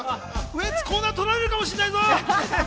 ウエンツ、コーナー取られるかもしれないぞ！